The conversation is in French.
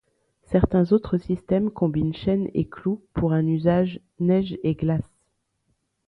Certains autres systèmes combinent chaînes et clous pour un usage neige et glace.